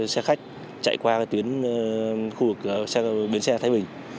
xe khách chạy qua tuyến khu biến xe thái bình